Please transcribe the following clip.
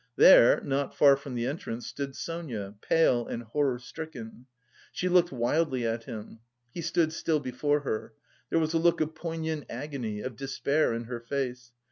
There, not far from the entrance, stood Sonia, pale and horror stricken. She looked wildly at him. He stood still before her. There was a look of poignant agony, of despair, in her face.